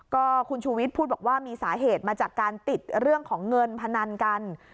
ก็คุณชูวิทย์พูดบอกว่ามีสาเหตุมาจากการติดเรื่องของเงินพนันกัน